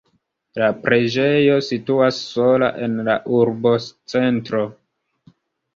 La preĝejo situas sola en la urbocentro.